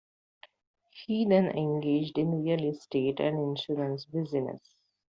He then engaged in real estate and insurance business.